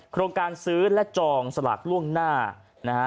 โครงการซื้อและจองสลากล่วงหน้านะฮะ